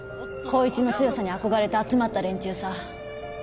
光一の強さに憧れて集まった連中さ。